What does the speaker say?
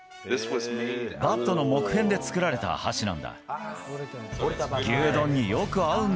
バットの木片で作られた箸なんだ。